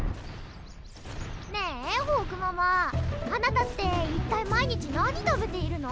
ねえホークママあなたって一体毎日何食べているの？